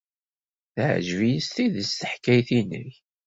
Teɛjeb-iyi s tidet teḥkayt-nnek.